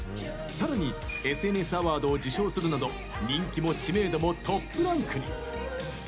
さらにＳＮＳアワードを受賞するなど人気も知名度もトップランクに。